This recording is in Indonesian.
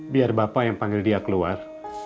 biar bapak yang panggil dia keluar